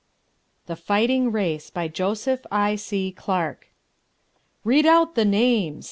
] THE FIGHTING RACE BY JOSEPH I.C. CLARKE "Read out the names!"